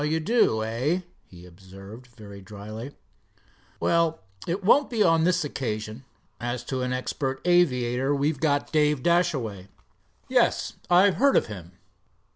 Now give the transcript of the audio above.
"Oh, you do, eh?" he observed, very dryly. "Well, it won't be on this occasion. As to an expert aviator, we've got Dave Dashaway." "Yes, I've heard of him."